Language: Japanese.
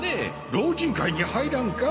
老人会に入らんか？